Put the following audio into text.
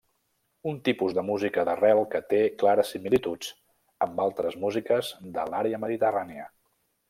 Un tipus de música d'arrel que té clares similituds amb altres músiques de l'àrea mediterrània.